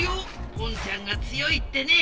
ポンちゃんが強いってね。